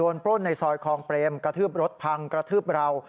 ปล้นในซอยคลองเปรมกระทืบรถพังกระทืบเรา